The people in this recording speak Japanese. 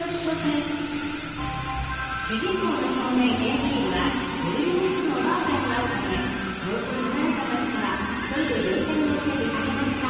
主人公の少年エーミールはベルリンに住むおばあさんに会うため遠く離れた街から一人で電車に乗って出かけました。